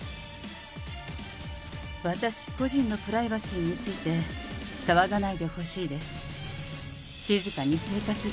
私個人のプライバシーについて、騒がないでほしいです。